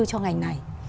cho ngành này